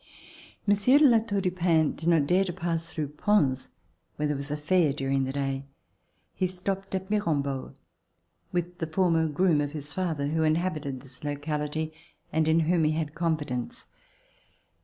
Monsieur de La Tour du Pin did not dare to pass through Pons where there was a fair during the day. He stopped at Mirambeau with the former groom of his father, who inhabited this locality and in whom he had confidence.